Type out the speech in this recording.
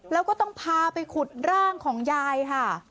แล้วก็ต้องพาไปขุดร่างของยายค่ะ